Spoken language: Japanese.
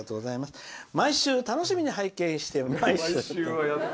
毎週楽しみに拝見しております」。